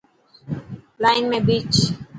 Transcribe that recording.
لائن ۾ پيچ.